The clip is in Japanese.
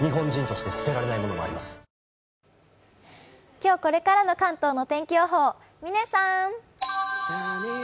今日これからの関東の天気予報、嶺さん！